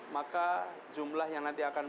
maka jumlah yang nanti akan